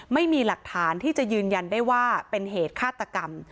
ไม่มีหลักฐานที่จะยืนยันได้ว่าเป็นเหตุฆาตกรรม